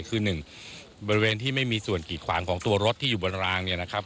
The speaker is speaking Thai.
คือหนึ่งบริเวณที่ไม่มีส่วนกีดขวางของตัวรถที่อยู่บนรางเนี่ยนะครับ